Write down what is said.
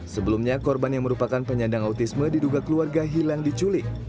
sebelumnya korban yang merupakan penyandang autisme diduga keluarga hilang diculik